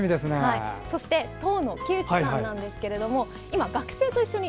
そして籐の木内さんなんですけど今、学生と一緒に